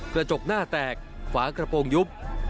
กระจกหน้าแตกฝากระโปรงยุบ